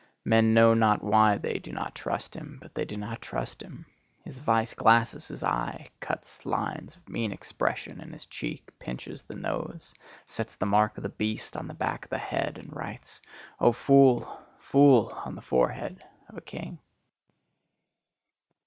Men know not why they do not trust him, but they do not trust him. His vice glasses his eye, cuts lines of mean expression in his cheek, pinches the nose, sets the mark of the beast on the back of the head, and writes O fool! fool! on the forehead of a king.